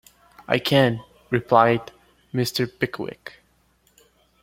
‘I can,’ replied Mr. Pickwick.